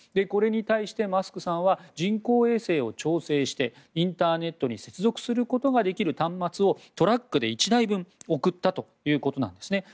これに対してマスクさんは人工衛星を調整してインターネットに接続することができる端末をトラックで１台分送ったということなんです。